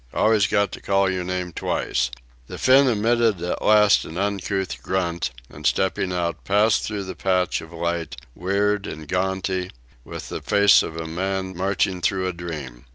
Always got to call your name twice." The Finn emitted at last an uncouth grunt, and, stepping out, passed through the patch of light, weird and gaudy, with the face of a man marching through a dream.